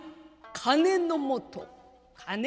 「金のもと！？」。